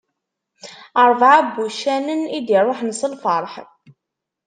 Rebɛa n wuccanen i d-iruḥen s lferḥ.